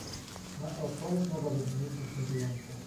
Nasza odpowiedź mogłaby brzmieć następująco